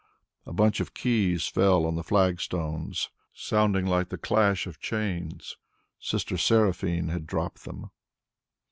A bunch of keys fell on the flag stones, sounding like the clash of chains. Sister Seraphine had dropped them.